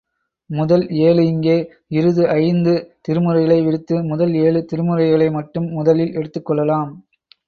முதல் ஏழு இங்கே, இறுதி ஐந்து திருமுறைகளை விடுத்து, முதல் ஏழு திருமுறைகளை மட்டும் முதலில் எடுத்துக் கொள்ளலாம்.